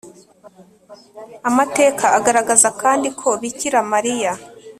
amateka agaragaza kandi ko bikira mariya